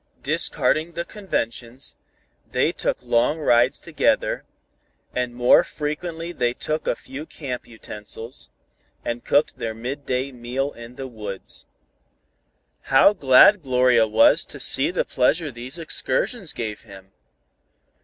Discarding the conventions, they took long rides together, and more frequently they took a few camp utensils, and cooked their mid day meal in the woods. How glad Gloria was to see the pleasure these excursions gave him!